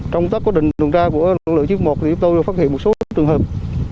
trong tác quy định tuần tra của lực lượng chiếc một thì chúng tôi đã phát hiện một số trường hợp